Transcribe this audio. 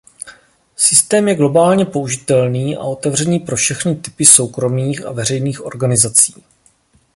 Systém je globálně použitelný a otevřený pro všechny typy soukromých a veřejných organizacích.